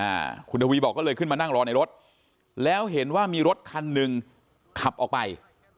อ่าคุณทวีบอกก็เลยขึ้นมานั่งรอในรถแล้วเห็นว่ามีรถคันหนึ่งขับออกไป